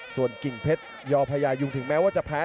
ส่วนกิ่งเพชรยอพญายุงถึงแม้ว่าจะแพ้